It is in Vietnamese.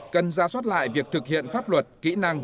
cần ra soát lại việc thực hiện pháp luật kỹ năng